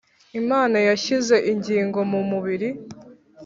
Imana yashyize ingingo mu mubiri